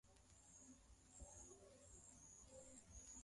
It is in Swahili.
Fulani, we fulani una shida gani?